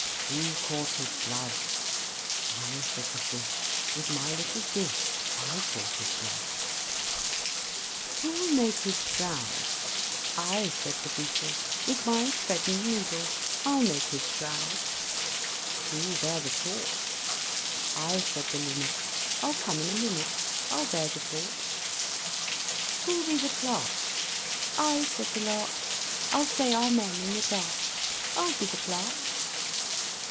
Who caught his blood? "I," said the Fish, "With my little dish, I caught his blood." Who'll make his shroud? "I," said the Beetle, "With my thread and needle, I'll make his shroud." Who'll bear the torch? "I," said the Linnet, "I'll come in a minute, I'll bear the torch." Who'll be the clerk? "I," said the Lark, "I'll say Amen in the dark; I'll be the clerk."